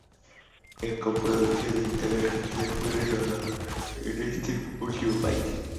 Es una coproducción de Italia y Argentina que fue rodada en este último país.